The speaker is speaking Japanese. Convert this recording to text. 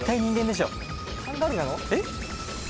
えっ？